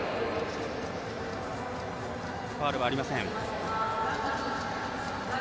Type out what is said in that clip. ファウルはありません。